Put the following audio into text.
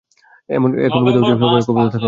একা কোথাও যাবে না সবাই ঐক্যবদ্ধ থাকো।